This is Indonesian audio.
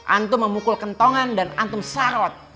antum memukul kentongan dan antum sarot